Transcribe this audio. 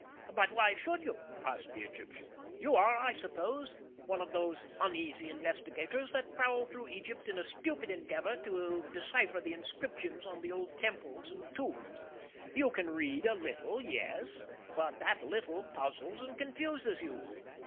"But why should you?" asked the Egyptian. "You are, I suppose, one of those uneasy investigators that prowl through Egypt in a stupid endeavor to decipher the inscriptions on the old temples and tombs. You can read a little yes; but that little puzzles and confuses you.